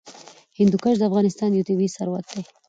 هندوکش د افغانستان یو طبعي ثروت دی.